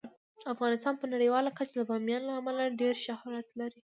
افغانستان په نړیواله کچه د بامیان له امله ډیر شهرت لري.